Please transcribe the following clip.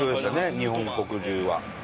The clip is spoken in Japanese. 日本国中は。